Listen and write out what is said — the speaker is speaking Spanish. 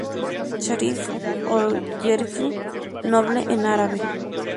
Sharif o Jerife: Noble, en árabe.